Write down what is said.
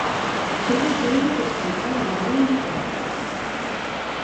¡Todo o que houbo que escoitar da Lei antitabaco!